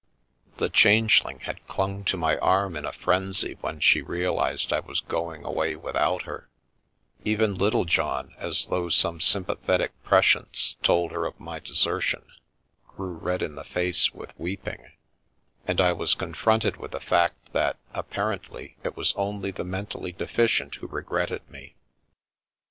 The Changeling had clung to my arm in a frenzy when she realised I was going away without her; even Little John, as though some sympathetic pre science told her of my desertion, grew red in the face with weeping — and I was confronted with the fact that apparently it was only the mentally deficient who re gretted me.